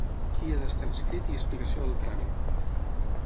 Qui ha d'estar inscrit i explicació del tràmit.